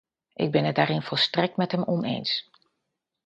Ik ben het daarin volstrekt met hem oneens.